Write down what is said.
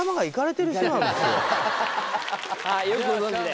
よくご存じで。